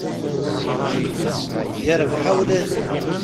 Yarbaḥ a wladi.